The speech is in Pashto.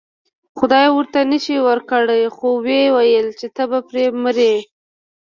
خدای ورته نیش ورکړ خو و یې ویل چې ته به پرې مرې.